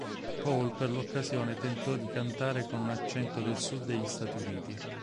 Paul per l'occasione tentò di cantare con un accento del Sud degli Stati Uniti.